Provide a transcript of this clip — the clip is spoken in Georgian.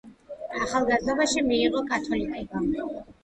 ახალგაზრდობაში მიიღო კათოლიკობა.